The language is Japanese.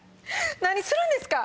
何するんですか？